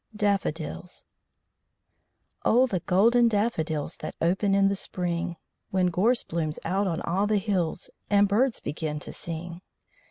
DAFFODILS Oh the golden daffodils, That open in the spring, When gorse blooms out on all the hills, And birds begin to sing!